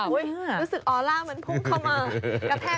อุ๊ยรู้สึกออร่าเหมือนพุ่งเข้ามา